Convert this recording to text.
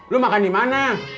lo makan di mana